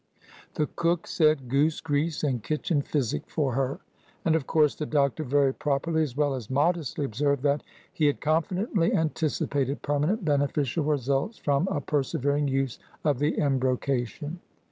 The cook said, "Goose grease and kitchen physic for her!" And of course the doctor very properly, as well as modestly, observed that "he had confidently anticipated permanent beneficial results from a persevering use of the embrocation."